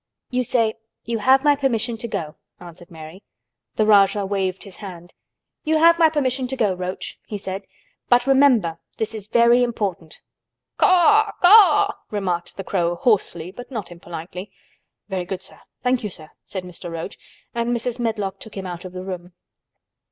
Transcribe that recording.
"You say, 'You have my permission to go,'" answered Mary. The Rajah waved his hand. "You have my permission to go, Roach," he said. "But, remember, this is very important." "Caw—Caw!" remarked the crow hoarsely but not impolitely. "Very good, sir. Thank you, sir," said Mr. Roach, and Mrs. Medlock took him out of the room.